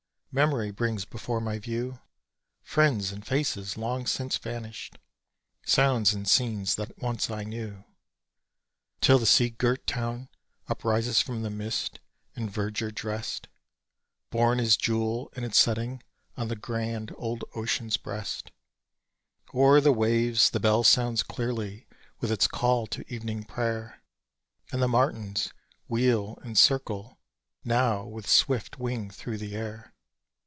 Memory brings before my view Friends and faces long since vanished sounds and scenes that once I knew. Till the sea girt town uprises from the mist, in verdure drest, Borne as jewel in its setting on the grand old ocean's breast; O'er the waves the bell sounds clearly with its call to evening prayer, And the martins wheel and circle, now, with swift wing through the air.